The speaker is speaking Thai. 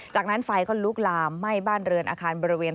จากนั้นไฟก็ลุกลามไหม้บ้านเรือนอาคารบริเวณ